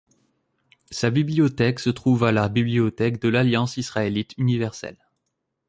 Sa bibliothèque se trouve à la bibliothèque de l'Alliance israélite universelle.